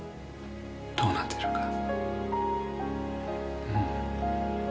どうなってるか。